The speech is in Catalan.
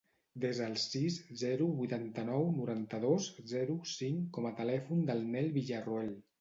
Desa el sis, zero, vuitanta-nou, noranta-dos, zero, cinc com a telèfon del Nel Villarroel.